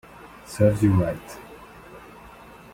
Serves you right